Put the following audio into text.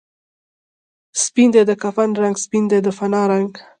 سپین دی د کفن رنګ، سپین دی د فنا رنګ